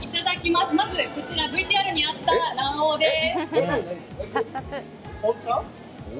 まず、ＶＴＲにあった卵黄です！